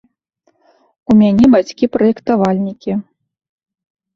У мяне бацькі праектавальнікі.